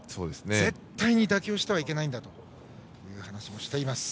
絶対に妥協してはいけないんだという話もしています。